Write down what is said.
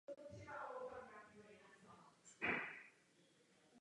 Při té příležitosti byla i obnovena.